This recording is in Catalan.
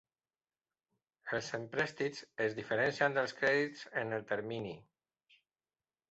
Els emprèstits es diferencien dels crèdits en el termini.